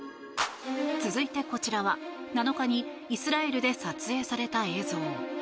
続いてこちらは、７日にイスラエルで撮影された映像。